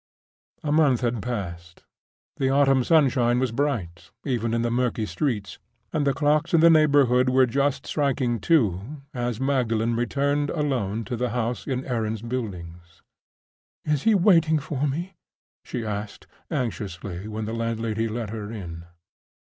A month had passed. The autumn sunshine was bright even in the murky streets, and the clocks in the neighborhood were just striking two, as Magdalen returned alone to the house in Aaron's Buildings. "Is he waiting for me?" she asked, anxiously, when the landlady let her in.